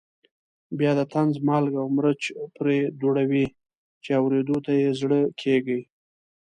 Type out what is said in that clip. بیا د طنز مالګه او مرچ پرې دوړوي چې اورېدو ته یې زړه کېږي.